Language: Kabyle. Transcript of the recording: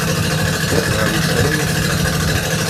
Ddiɣ ɣer usalay ass-a.